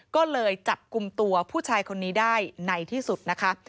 ก็เลยจับกลุ่มตัวผู้ชายคนนี้ได้ในที่สุดนะคะ